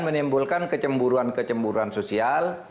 menimbulkan kecemburuan kecemburuan sosial